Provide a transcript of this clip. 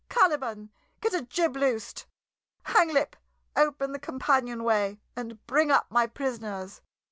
Caliban, get a jib loosed! Hanglip, open the companionway, and bring up my prisoners.